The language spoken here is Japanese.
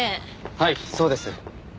はいそうです。